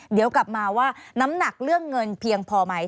เดี๋ยวกลับมาว่าน้ำหนักเรื่องเงินเพียงพอไหม